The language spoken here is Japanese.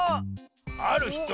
あるひと？